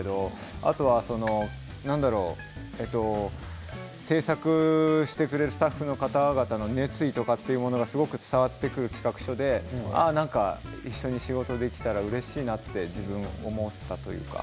あとは制作してくれるスタッフの方々の熱意とかがすごく伝わってくる企画書でなんか一緒に仕事ができたらうれしいなと思ったというか。